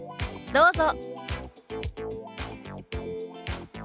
どうぞ。